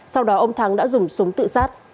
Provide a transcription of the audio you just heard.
sau đó ông thắng đã dùng súng tự sát